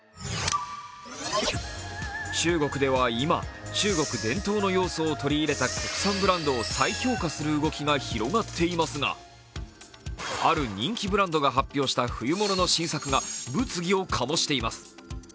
中国では今、中国伝統の要素を取り入れた国産ブランドを再評価する動きが広がっていますが、ある人気ブランドが発表した冬物の新作が物議を醸しています。